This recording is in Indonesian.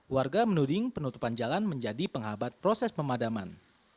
warga menuding penutupan jalan menjadi penghabat proses pemadaman